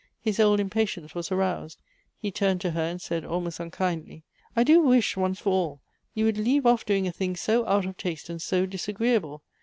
His old impatience was aroused ; he turned to her, and said, almost unkindly, " I do wish, once for all, you would leave off doing a thing so out of taste and so disagreeable.